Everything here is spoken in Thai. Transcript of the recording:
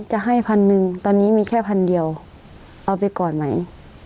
จะให้พันหนึ่งตอนนี้มีแค่พันเดียวเอาไปก่อนไหม